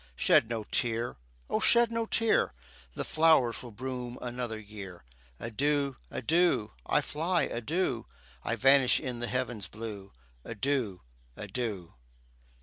Shed no tear! O shed no tear! The flowers will bloom another year. Adieu, adieu I fly, adieu, I vanish in the heaven's blue Adieu, adieu!